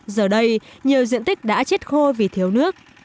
giờ đây nhiều diện tích đã chết khô vì thiếu nước